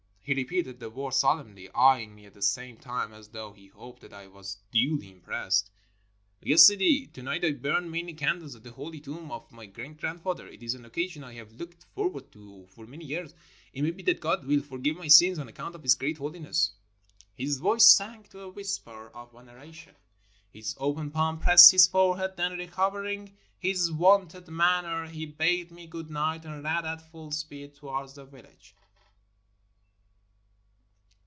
He repeated the words solemnly, eyeing me at the same time as though he hoped that I was duly impressed. "Yes, Sidi, to night I burn many candles at the holy tomb of my great grandfather. It is an occasion I have looked for ward to for many years. It may be that God will forgive my sins on account of his great hoHness." His voice sank to a whisper of veneration ; his open pahn pressed his forehead — then, recovering his wonted manner, he bade me good night and ran at full speed towards the village.